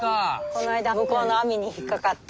この間向こうの網に引っ掛かって。